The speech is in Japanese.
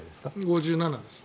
５７です。